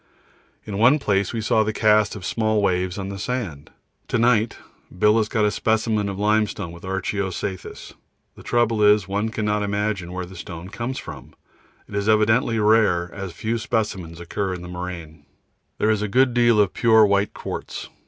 In one place we saw the cast of small waves on the sand. To night Bill has got a specimen of limestone with archeo cyathus the trouble is one cannot imagine where the stone comes from; it is evidently rare, as few specimens occur in the moraine. There is a good deal of pure white quartz.